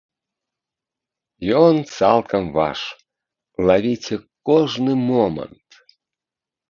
Ён цалкам ваш, лавіце кожны момант!